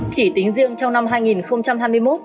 chỉ tính riêng trong năm hai nghìn hai mươi một